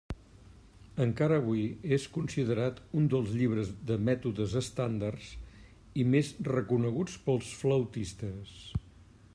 Encara avui és considerat un dels llibres de mètodes estàndards i més reconeguts pels flautistes.